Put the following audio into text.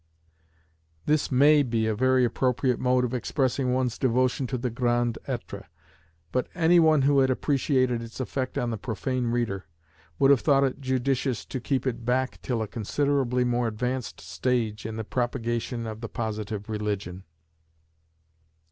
This may be a very appropriate mode of expressing one's devotion to the Grand Etre: but any one who had appreciated its effect on the profane reader, would have thought it judicious to keep it back till a considerably more advanced stage in the propagation of the Positive Religion.